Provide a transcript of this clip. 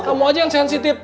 kamu aja yang sensitif